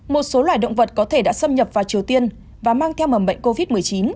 một số loài động vật có thể đã xâm nhập vào triều tiên và mang theo mầm bệnh covid một mươi chín